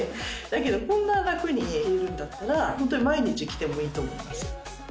だけどこんな楽に着れるんだったらホントに毎日着てもいいと思います。